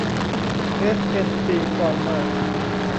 เอส เอ็น ซี ฟอร์เมอร์